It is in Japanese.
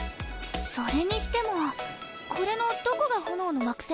それにしてもこれのどこが炎の惑星なの？